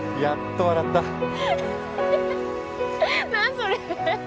それ。